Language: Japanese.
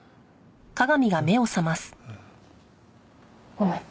ごめん。